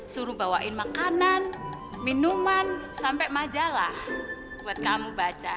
suruh bawain makanan minuman sampai majalah buat kamu baca